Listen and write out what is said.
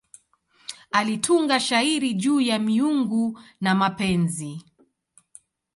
Alitunga shairi juu ya miungu na mapenzi.